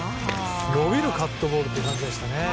伸びるカットボールという感じがしましたね。